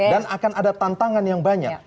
dan akan ada tantangan yang banyak